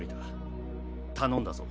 頼んだぞ。